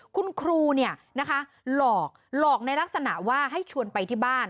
คุณครูหลอกหลอกในลักษณะว่าให้ชวนไปที่บ้าน